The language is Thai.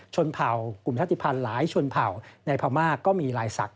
ชนเผ่ากลุ่มชาติภัณฑ์หลายชนเผ่าในพม่าก็มีลายศักดิ